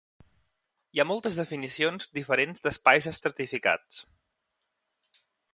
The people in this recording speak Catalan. Hi ha moltes definicions diferents d'espais estratificats.